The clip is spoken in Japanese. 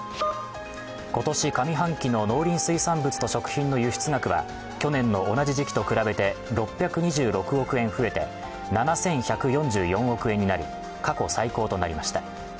今年上半期の農林水産物と食品の輸出額は去年の同じ時期と比べて６２６億円増えて７１４４億円になり過去最高となりました。